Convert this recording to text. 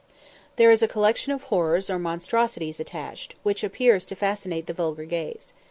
There is a collection of horrors or monstrosities attached, which appears to fascinate the vulgar gaze.